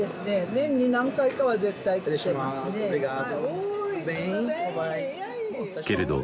年に何回かは絶対来てますねけれど